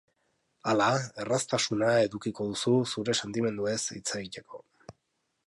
Hala, erraztasuna edukiko duzu zure sentimenduez hitz egiteko.